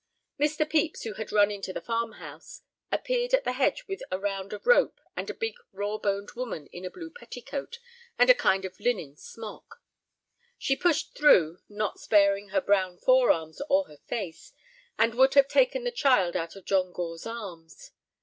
Mr. Pepys, who had run into the farm house, appeared at the hedge with a round of rope and a big, raw boned woman in a blue petticoat and a kind of linen smock. She pushed through, not sparing her brown forearms or her face, and would have taken the child out of John Gore's arms.